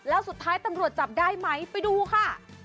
แล้วสุดท้ายตำรวจจับได้ไหมไปดูค่ะ